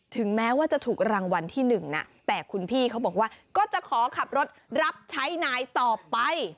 ถึงแม้ว่าจะถูกรางวัลที่หนึ่งนะแต่คุณพี่เขาบอกว่าก็จะขอขับรถรับใช้นายต่อไป